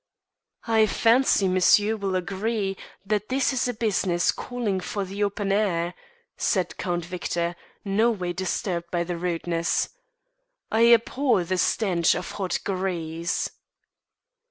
"I fancy monsieur will agree that this is a business calling for the open air," said Count Victor, no way disturbed by the rudeness. "I abhor the stench of hot grease."